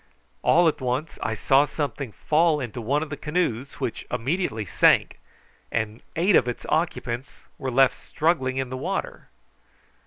All at once I saw something fall into one of the canoes, which immediately sank, and eight of its occupants were left struggling in the water.